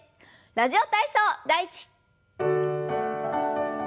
「ラジオ体操第１」。